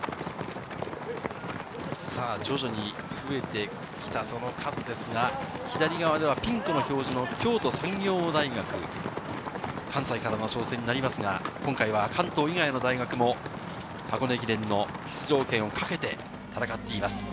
徐々に増えてきたその数ですが、左側ではピンクの表示の京都産業大学、関西からの挑戦になりますが、今回は関東以外の大学も箱根駅伝の出場権をかけて戦っています。